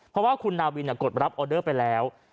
เพราะว่าคุณนาวินกดรับออเดอร์ไปแล้ว